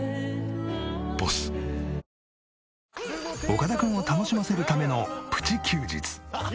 岡田君を楽しませるためのプチ休日。